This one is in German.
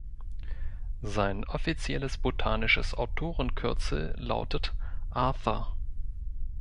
Sein offizielles botanisches Autorenkürzel lautet „Arthur“.